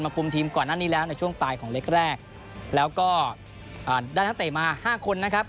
คุมทีมก่อนหน้านี้แล้วในช่วงปลายของเล็กแรกแล้วก็ได้นักเตะมาห้าคนนะครับ